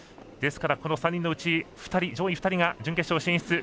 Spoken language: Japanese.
ですからこの３人のうち２人上位２人が準決勝進出。